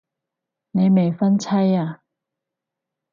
你未婚妻啊